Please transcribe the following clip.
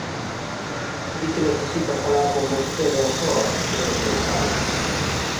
Di que necesita falar con vostede a soas sobre o seu pai.